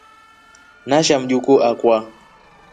Nashaa Mjukuu akwa.